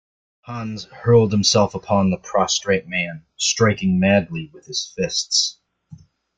Hans hurled himself upon the prostrate man, striking madly with his fists.